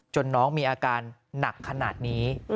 น้องมีอาการหนักขนาดนี้